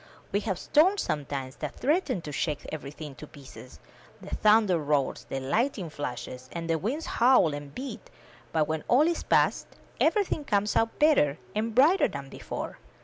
We have storms sometimes that threaten to shake everything to pieces— the thunder roars, the light ning flashes, and the winds howl and beat; but, when all is past, everything comes out better and brighter than before.